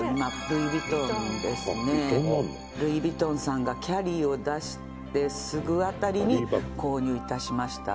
「ルイ・ヴィトンさんがキャリーを出してすぐ辺りに購入致しました」